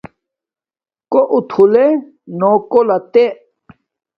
کݸ اُتھُلݺ نݸ کݸ لَتݻ.